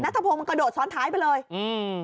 ทพงศ์มันกระโดดซ้อนท้ายไปเลยอืม